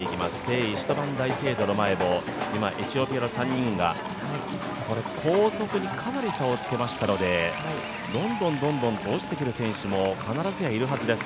折り返していきます、聖イシュトヴァーン大聖堂の前を今、エチオピアの３人が、後続にかなり差をつけましたのでどんどんと落ちてくる選手も必ずやいるはずです。